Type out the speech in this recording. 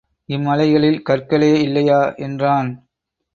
இம்மலைகளில் கற்களே இல்லையா? என்றான்.